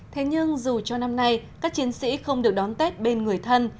thế nhưng dù cho năm nay các chiến sĩ không được đón tết bên người thân